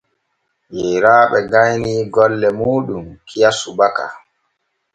Yeyraaɓe gaynii golle muuɗum kiya subaka.